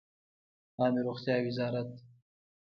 عامې روغتیا وزارت